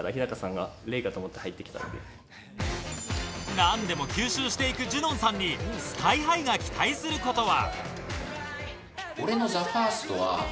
何でも吸収していくジュノンさんにＳＫＹ−ＨＩが期待することは。